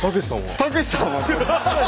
たけしさんはこう。